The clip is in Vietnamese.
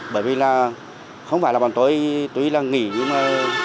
bởi vì là không phải là bọn tôi tuy là nghỉ nhưng mà